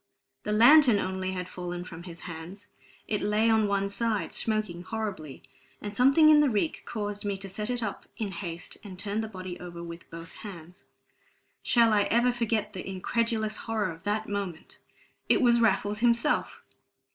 The lantern only had fallen from his hands; it lay on one side, smoking horribly; and a something in the reek caused me to set it up in haste and turn the body over with both hands. Shall I ever forget the incredulous horror of that moment? It was Raffles himself!